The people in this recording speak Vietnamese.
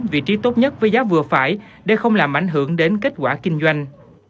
vị trí tốt nhất với giá vừa phải để không làm ảnh hưởng đến kết quả kinh doanh